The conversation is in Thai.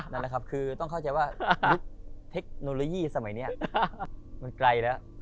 นั่นแหละครับคือต้องเข้าใจว่าเทคโนโลยีสมัยนี้มันไกลแล้ว